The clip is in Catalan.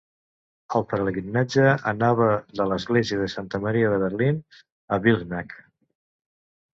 El pelegrinatge anava de l'esglèsia de Santa Maria de Berlín a Wilsnack.